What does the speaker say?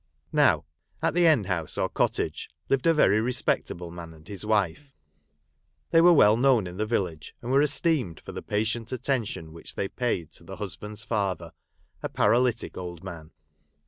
Now, at the end house or cottage lived a very respectable man and his wife. They were well known in the village, and were esteemed for the patient attention which they paid to the husband's father, a paralytic old man.